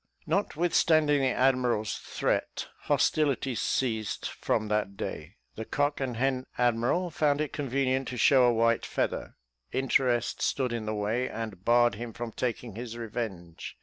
Notwithstanding the admiral's threat, hostilities ceased from that day. The cock and hen admiral found it convenient to show a white feather; interest stood in the way, and barred him from taking his revenge.